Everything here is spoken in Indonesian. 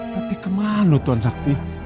tapi kemana tuhan sakti